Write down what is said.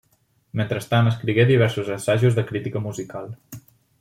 Mentrestant, escrigué diversos assajos de crítica musical.